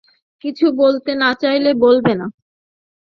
কিছু বলতে না-চাইলে বলবে না।